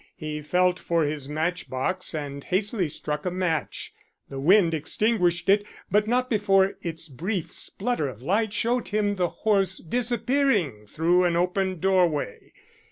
He felt for his matchbox and hastily struck a match. The wind extinguished it, but not before its brief splutter of light showed him the horse disappearing through an open doorway.